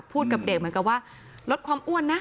กับเด็กเหมือนกับว่าลดความอ้วนนะ